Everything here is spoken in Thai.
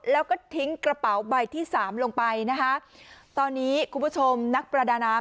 แล้วก็ทิ้งกระเป๋าใบที่สามลงไปนะคะตอนนี้คุณผู้ชมนักประดาน้ำ